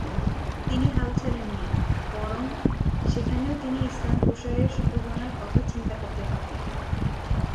তিনি হাল ছাড়েন নি; বরং সেখানেও তিনি ইসলাম প্রসারের সম্ভবনার কথা চিন্তা করতে থাকেন।